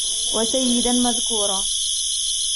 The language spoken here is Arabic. وَسَيِّدًا مَذْكُورًا